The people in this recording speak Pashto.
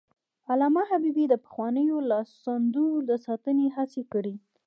علامه حبيبي د پخوانیو لاسوندونو د ساتنې هڅې کړي.